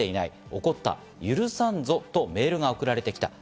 怒った、許さんぞとメールが送られてきた。